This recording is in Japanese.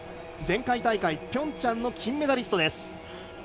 前回大会ピョンチャンの金メダリスト。